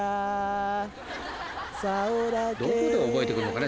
［どこで覚えてくるのかね